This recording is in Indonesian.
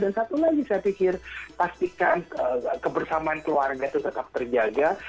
dan satu lagi saya pikir pastikan kebersamaan keluarga itu tetap terjaga